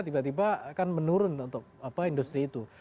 tiba tiba akan menurun untuk industri itu